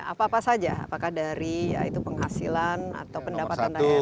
apa apa saja apakah dari penghasilan atau pendapatan daerah